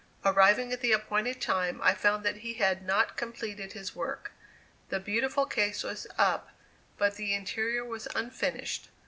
Arriving at the appointed time, I found that he had not completed his work. The beautiful case was up, but the interior was unfinished.